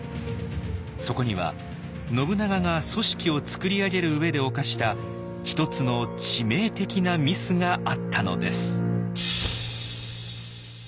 そこには信長が組織をつくり上げる上で犯した一つの致命的なミスがあったのです。